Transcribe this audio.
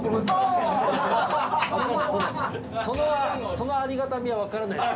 そのありがたみは分からないです。